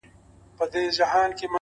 هره ناکامي د بل پیل پیغام دی!